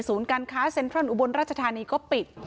การค้าเซ็นทรัลอุบลราชธานีก็ปิด